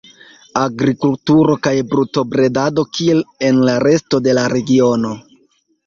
Agrikulturo kaj brutobredado, kiel en la resto de la regiono.